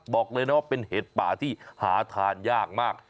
บอกเลยนะว่าเป็นเห็ดป่าที่หาทานยากมาก